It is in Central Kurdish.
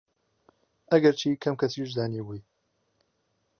ئهگەرچی کهم کهسیش زانیبووی